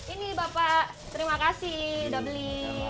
ini bapak terima kasih sudah beli